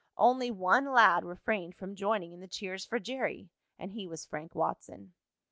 Only one lad refrained from joining in the cheers for Jerry, and he was Frank Watson.